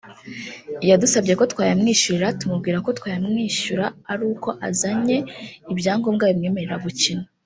yadusabye ko twayamwishyura tumubwira ko twayamwishyura ari uko azanye ibyangombwa bimwemerera gukina